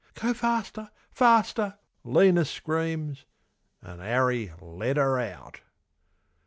"Go faster! faster!" Lena screams. An' 'Arry let 'er out.